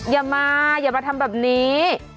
อย่ามาอย่ามาทำแบบนี้